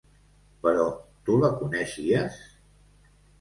Però tu la coneixies?